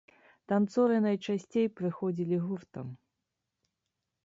Танцоры найчасцей прыходзілі гуртам.